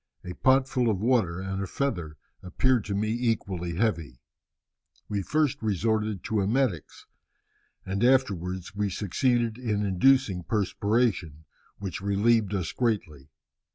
A pot full of water and a feather appeared to me equally heavy. We first resorted to emetics, and afterwards we succeeded in inducing perspiration, which relieved us greatly.